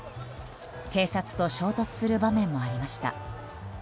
警察と衝突する場面もありました。